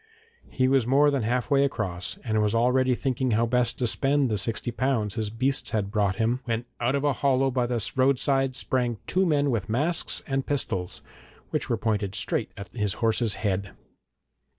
He was more than half way across, and was already thinking how best to spend the sixty pounds his beasts had brought him, when out of a hollow by the roadside sprang two men with masks and pistols, which were pointed straight at his horse's head.